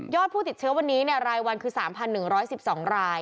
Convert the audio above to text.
ผู้ติดเชื้อวันนี้รายวันคือ๓๑๑๒ราย